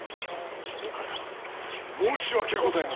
お母様申し訳ございません。